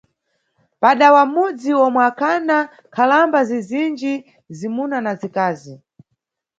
Padawa m`mudzi, omwe ukhana nkhalamba zizinji, zimuna na zikazi.